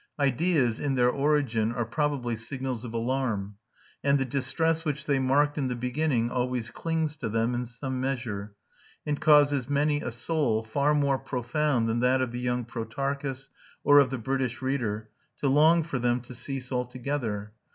Ideas, in their origin, are probably signals of alarm; and the distress which they marked in the beginning always clings to them in some measure, and causes many a soul, far more profound than that of the young Protarchus or of the British reader, to long for them to cease altogether.